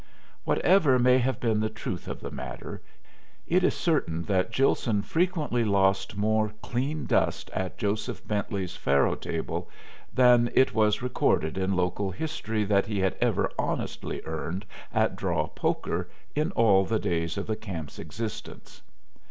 Whatever may have been the truth of the matter, it is certain that Gilson frequently lost more "clean dust" at Jo. Bentley's faro table than it was recorded in local history that he had ever honestly earned at draw poker in all the days of the camp's existence.